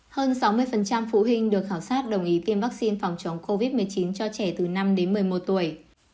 hơn sáu mươi phụ huynh được khảo sát đồng ý tiêm vaccine phòng chống covid một mươi chín cho trẻ từ năm đến một mươi một tuổi